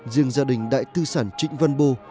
riêng gia đình đại tư sản trịnh văn bô